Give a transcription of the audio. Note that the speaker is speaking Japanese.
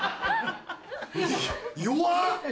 弱っ！